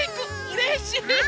うれしい！